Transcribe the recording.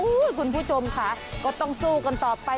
คุณผู้ชมค่ะก็ต้องสู้กันต่อไป